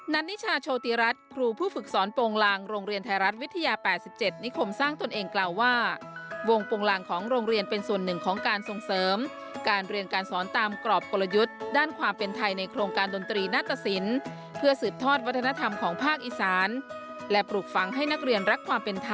นิชาโชติรัฐครูผู้ฝึกสอนโปรงลางโรงเรียนไทยรัฐวิทยา๘๗นิคมสร้างตนเองกล่าวว่าวงโปรงลางของโรงเรียนเป็นส่วนหนึ่งของการส่งเสริมการเรียนการสอนตามกรอบกลยุทธ์ด้านความเป็นไทยในโครงการดนตรีนาตสินเพื่อสืบทอดวัฒนธรรมของภาคอีสานและปลูกฝังให้นักเรียนรักความเป็น